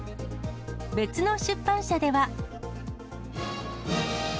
別の出版社では。